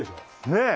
ねえ！